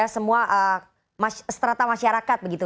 semua seterata masyarakat